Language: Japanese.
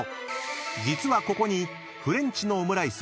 ［実はここにフレンチのオムライス